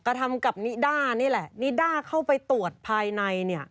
กระทำกับนิด้านี่แหละนิด้าเข้าไปตรวจภายในเนี่ย